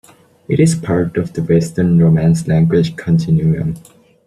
It is part of the Western Romance language continuum.